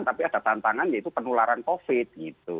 tapi ada tantangan yaitu penularan covid gitu